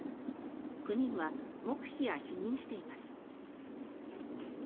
９人は黙秘や否認しています。